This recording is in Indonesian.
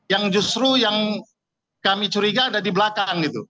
yang justru yang kami curiga ada di belakang gitu